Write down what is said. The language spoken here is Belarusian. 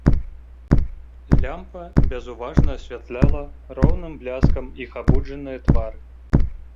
Лямпа безуважна асвятляла роўным бляскам іх абуджаныя твары.